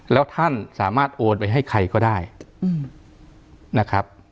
แล้วท่านสามารถโอนไปให้ใครก็ได้นะครับ